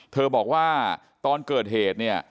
บอกว่าตอนเกิดเหตุเนี่ย